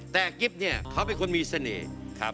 แต่กรีปเนี้ยเขาเป็นคนมีเสน่ห์